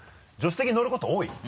助手席に乗ること多い？